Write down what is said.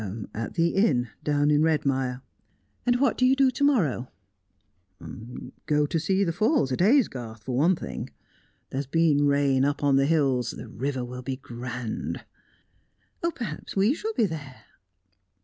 "At the inn down in Redmire." "And what do you do to morrow?" "Go to see the falls at Aysgarth, for one thing. There's been rain up on the hills; the river will be grand." "Perhaps we shall be there."